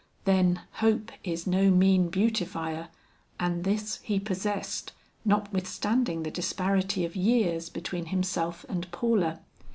Then, hope is no mean beautifier, and this he possessed notwithstanding the disparity of years between himself and Paula.